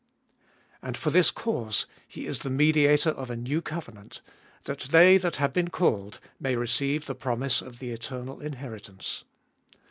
And for this cause he is the Mediator of a new covenant, that they that have been called may receive the promise of the eternal inheritance.